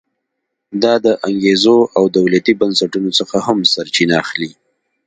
دا د انګېزو او دولتي بنسټونو څخه هم سرچینه اخلي.